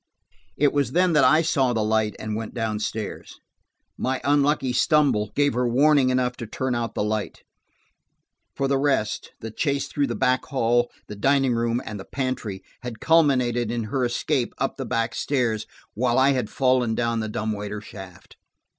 It was then that I saw the light and went downstairs. My unlucky stumble gave her warning enough to turn out the light. For the rest, the chase through the back hall, the dining room and the pantry, had culminated in her escape up the back stairs, while I had fallen down the dumbwaiter shaft.